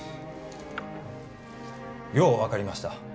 よう分かりました。